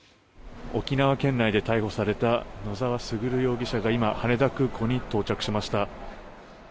沖縄県内で逮捕された野沢優容疑者が今、羽田空港に到着しました。